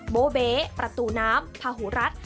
โบเบ๊ประตูน้ำพาหูรัฐ